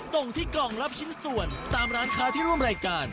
ส่งที่กล่องรับชิ้นส่วนตามร้านค้าที่ร่วมรายการ